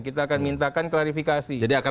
kita akan mintakan klarifikasi jadi akan